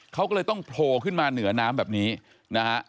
เขาก็เลยต้องโผล่ขึ้นมาเหนือน้ำแบบนี้นะฮะ